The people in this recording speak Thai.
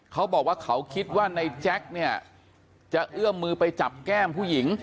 เขาบอกว่าเขาคิดว่าในแจ็คเนี่ยจะเอื้อมมือไปจับแก้มผู้หญิง